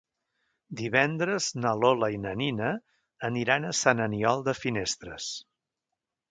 Divendres na Lola i na Nina aniran a Sant Aniol de Finestres.